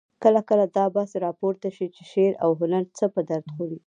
کله کله دا بحث راپورته شي چې شعر او هنر څه په درد خوري؟